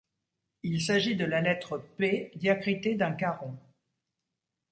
Il s’agit de la lettre Р diacritée d'un caron.